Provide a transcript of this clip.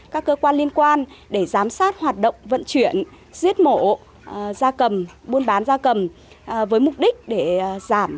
các cơ quan liên quan để giám sát hoạt động vận chuyển giết mổ da cầm buôn bán da cầm với mục đích để giảm